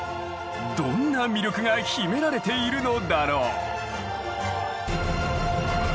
どんな魅力が秘められているのだろう？